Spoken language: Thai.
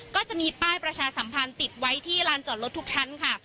ก็จะมีป้ายประชาสัมพันธ์ติดไว้ที่ลานจอดรถทุกชั้นค่ะ